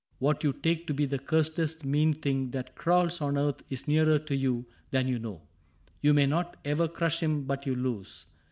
What you take To be the cursedest mean thing that crawls On earth is nearer to you than you know : You may not ever crush him but you lose.